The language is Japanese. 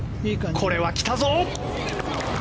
これは来たぞ！